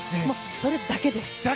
それだけです。